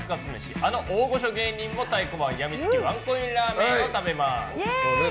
あの大御所芸人も太鼓判やみつきワンコインラーメンを食べます。